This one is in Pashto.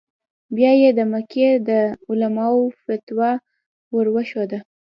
بیا یې د مکې د علماوو فتوا ور وښوده.